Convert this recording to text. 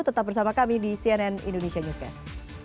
tetap bersama kami di cnn indonesia newscast